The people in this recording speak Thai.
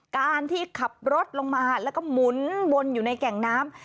การที่ขับรถลงมาแล้วก็หมุนวนอยู่ในแก่งน้ำ